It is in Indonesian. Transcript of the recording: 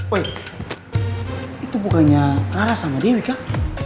woy itu bukannya rara sama dewi kah